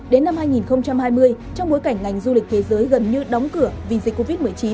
đến năm hai nghìn hai mươi trong bối cảnh ngành du lịch thế giới gần như đóng cửa vì dịch covid một mươi chín